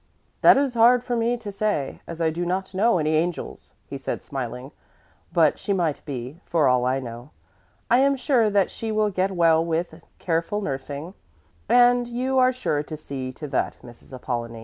"That is hard for me to say, as I do not know any angels," he said smiling, "but she might be for all I know. I am sure that she will get well with careful nursing, and you are sure to see to that, Mrs. Apollonie.